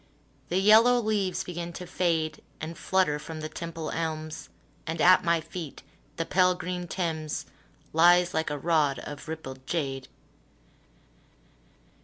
The yellow leaves begin to fade And flutter from the Temple elms, And at my feet the pale green Thames Lies like a rod of rippled jade.